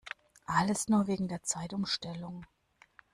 Alles nur wegen der Zeitumstellung!